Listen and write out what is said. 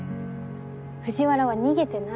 藤原は逃げてない。